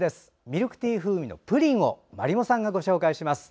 ミルクティー風味のプリンをｍａｒｉｍｏさんがご紹介します。